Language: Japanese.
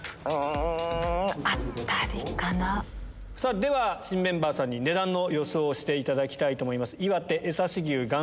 では新メンバーさんに値段の予想していただきたいと思います。